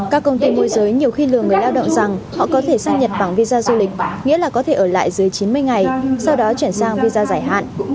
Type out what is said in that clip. các công ty môi giới nhiều khi lừa người lao động rằng họ có thể sang nhật bản visa du lịch nghĩa là có thể ở lại dưới chín mươi ngày sau đó chuyển sang visa giải hạn